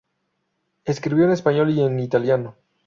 Escribió en español y en italiano.